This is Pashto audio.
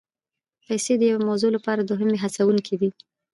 پیسې د یوې موضوع لپاره دوهمي هڅوونکي دي.